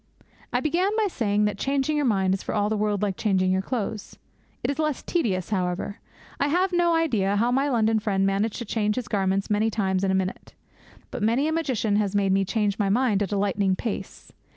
I began by saying that changing your mind is for all the world like changing your clothes. It is less tedious, however. I have no idea how my London friend managed to change his garments many times in a minute. But many a magician has made me change my mind at a lightning pace.